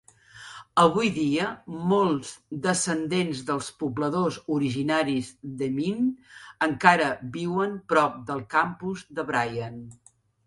Avui dia, molts descendents dels pobladors originaris d'Emin encara viuen prop del campus de Bryant.